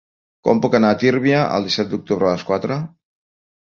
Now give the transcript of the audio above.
Com puc anar a Tírvia el disset d'octubre a les quatre?